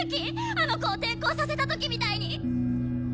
あの子を転校させた時みたいに！